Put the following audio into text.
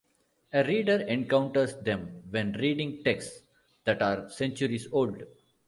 A reader encounters them when reading texts that are centuries old.